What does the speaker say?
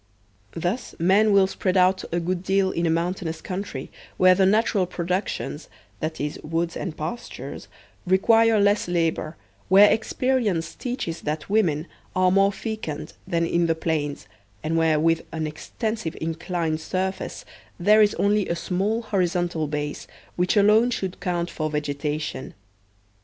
Thus men will spread out a good deal in a motmtainous country, where the natural productions, viz, woods and pastures, require less labor, where experience 'teaches that women are more fecund than in the plains, and where with an extensive inclined surface there is only a small horizontal base, which alone should count for vegetation.